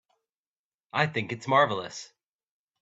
I think it's marvelous.